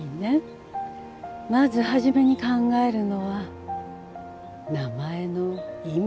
まず初めに考えるのは名前の意味。